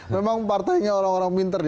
memang partainya orang orang pinter